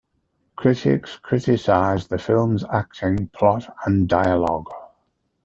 Critics criticized the film's acting, plot, and dialogue.